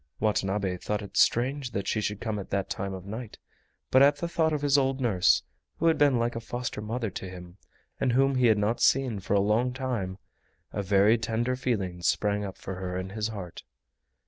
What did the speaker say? Watanabe thought it strange that she should come at that time of night, but at the thought of his old nurse, who had been like a foster mother to him and whom he had not seen for a long time, a very tender feeling sprang up for her in his heart.